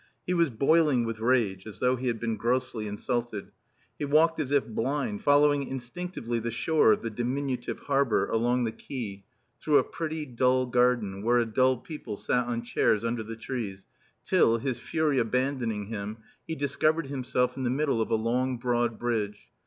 He was boiling with rage, as though he had been grossly insulted. He walked as if blind, following instinctively the shore of the diminutive harbour along the quay, through a pretty, dull garden, where dull people sat on chairs under the trees, till, his fury abandoning him, he discovered himself in the middle of a long, broad bridge.